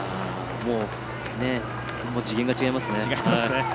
次元が違いますね。